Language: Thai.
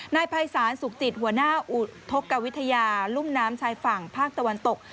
นายภัยศาลสุขจิตหัวหน้าอุทธกวิทยาลุ่มน้ำชายฝั่งภาคตะวันตก